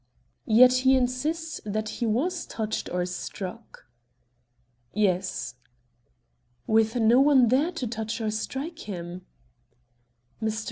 "Yet he insists that he was touched or struck." "Yes." "With no one there to touch or strike him." Mr.